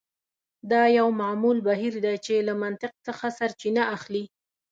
دا یو معمول بهیر دی چې له منطق څخه سرچینه اخلي